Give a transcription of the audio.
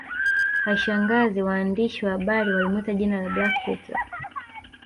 Haishangazi waandishi wa habari walimwita jina la Black Hitler